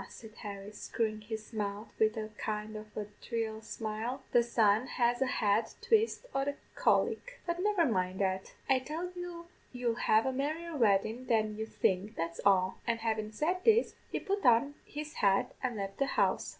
said Harry, screwin' his mouth wid a kind of a dhry smile, 'the sun has a hard twist o' the cholic; but never mind that, I tell you you'll have a merrier weddin' than you think, that's all;' and havin' said this, he put on his hat and left the house.